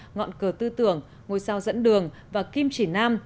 ngọn cờ tư tưởng ngôi sao dẫn đường và kim chỉ nam